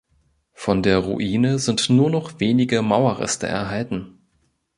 Von der Ruine sind nur noch wenige Mauerreste erhalten.